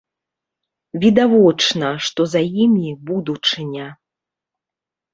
Відавочна, што за імі будучыня.